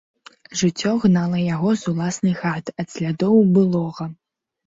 Жыццё гнала яго з уласнай хаты, ад слядоў былога.